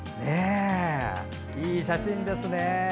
いい写真ですね。